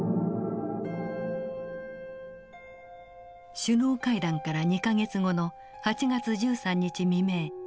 首脳会談から２か月後の８月１３日未明。